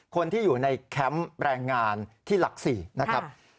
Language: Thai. คนที่อยู่ในแคมป์แรงงานที่หลัก๔นะครับ